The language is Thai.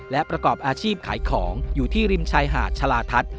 และประกอบอาชีพขายของอยู่ที่ริมชายหาดชาลาทัศน์